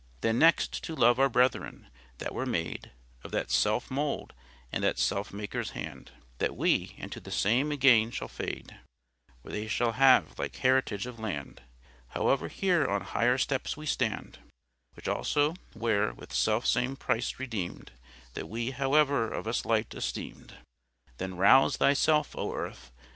Then next, to love our brethren, that were made Of that selfe mould, and that self Maker's hand, That we, and to the same againe shall fade, Where they shall have like heritage of land, However here on higher steps we stand, Which also were with self same price redeemed That we, however of us light esteemed. Then rouze thy selfe, O Earth!